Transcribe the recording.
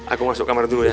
aku masuk kamar dulu ya